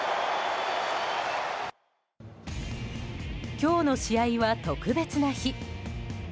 今日の試合は特別な日。